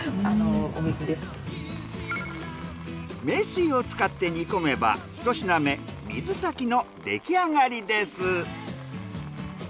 名水を使って煮込めばひと品目水炊きの出来上がりです。